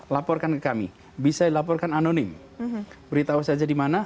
laporkan ke kami bisa dilaporkan anonim beritahu saja di mana